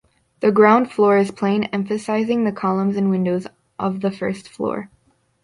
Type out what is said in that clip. The ground floor is plain emphasising the columns and windows of the first floor.